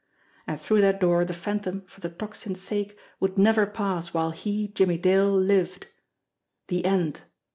And through that door the Phantom, for the Tocsin's sake, would never pass while he, Jimmie Dale, lived! The end